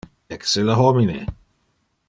Ecce le homine.